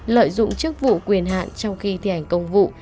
lợi dụng chức vụ quyền hạn trong khi thi hành công vụ